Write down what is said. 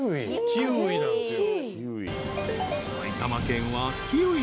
キウイなんですよ。